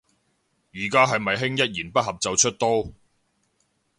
而家係咪興一言不合就出刀